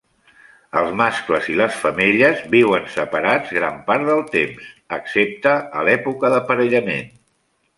Els mascles i les femelles viuen separats gran part el temps, excepte a l'època d'aparellament.